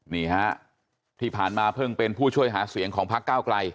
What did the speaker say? นี่ฮะที่ผ่านมาเพิ่งเป็นผู้ช่วยหาเสียงของพักเก้าไกล